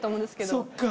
そっか。